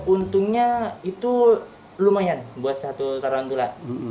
untungnya itu lumayan buat satu tarantula